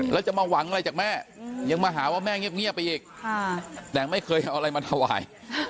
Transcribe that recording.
แล้วจะมาหวังอะไรจากแม่ยังมาหาว่าแม่เงียบไปอีกแต่ไม่เคยเอาอะไรมาถวาย